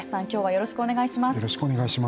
よろしくお願いします。